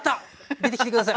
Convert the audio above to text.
出てきて下さい。